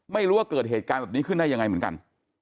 ไม่รู้ว่าเกิดเหตุการณ์แบบนี้ขึ้นได้ยังไงเหมือนกัน